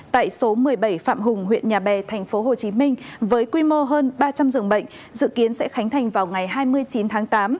tại số một mươi bảy phạm hùng huyện nhà bè tp hcm với quy mô hơn ba trăm linh dường bệnh dự kiến sẽ khánh thành vào ngày hai mươi chín tháng tám